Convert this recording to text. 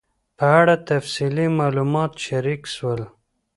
په اړه تفصیلي معلومات شریک سول